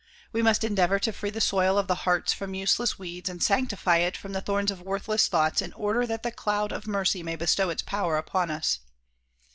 We must endeavor to free the soil of the hearts from useless weeds and sanctify it from the thorns of worthless thoughts in order that the cloud of mercy may bestow its power upon us.